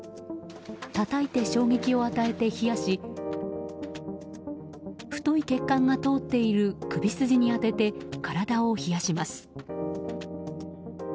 たたいて衝撃を与えて冷やし太い血管が通っている首筋に当てて、体を冷やします。